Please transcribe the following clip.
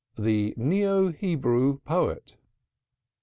THE NEO HEBREW POET.